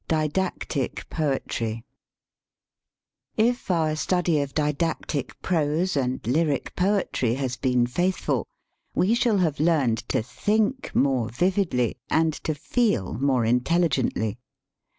DIDACTIC POETRY IP our study of didactic prose and lyric poetry has been faithful we shall have learned to think more vividly and to feel more intelligently.